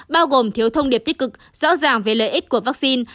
bao gồm thiếu thông điệp tích cực rõ ràng về lợi ích của vaccine